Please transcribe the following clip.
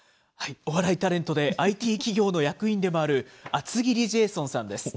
お笑いタレントで、ＩＴ企業の役員でもある、厚切りジェイソンさんです。